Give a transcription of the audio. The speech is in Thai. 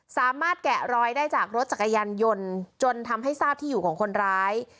แกะรอยได้จากรถจักรยานยนต์จนทำให้ทราบที่อยู่ของคนร้าย